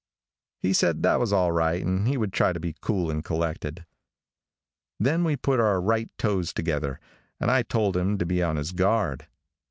He said that was all right and he would try to be cool and collected. Then we put our right toes together and I told him to be on his guard.